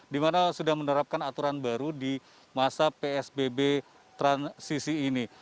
dimana sudah menerapkan aturan baru di masa psbb transisi ini